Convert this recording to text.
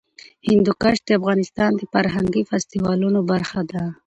هندوکش د افغانستان د فرهنګي فستیوالونو برخه ده.